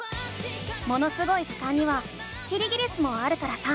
「ものすごい図鑑」にはキリギリスもあるからさ